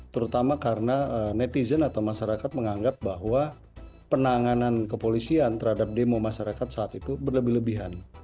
terutama karena netizen atau masyarakat menganggap bahwa penanganan kepolisian terhadap demo masyarakat saat itu berlebih lebihan